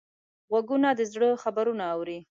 غوږونه د زړه خبرونه اوري